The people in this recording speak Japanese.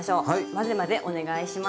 混ぜ混ぜお願いします。